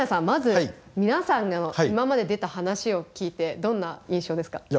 まず皆さんの今まで出た話を聞いてどんな印象ですか？